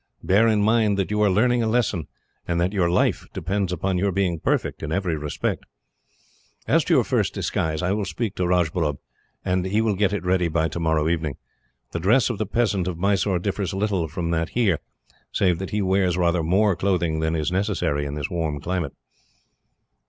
Bear in mind that you are learning a lesson, and that your life depends upon your being perfect in every respect. "As to your first disguise, I will speak to Rajbullub, and he will get it ready by tomorrow evening. The dress of the peasant of Mysore differs little from that here, save that he wears rather more clothing than is necessary in this warm climate."